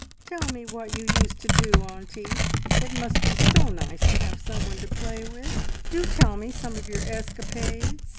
"Tell me what you used to do, auntie! It must be so nice to have someone to play with. Do tell me some of your escapades!"